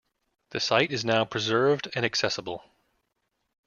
The site is now preserved and accessible.